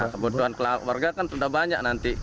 kebutuhan keluarga kan sudah banyak nanti